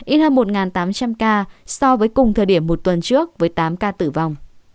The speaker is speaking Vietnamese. ít hơn một tám trăm linh ca so với cùng thời điểm một tuần trước với tám ca tử vong